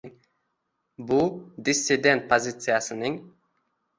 bu “dissident” pozitsiyasining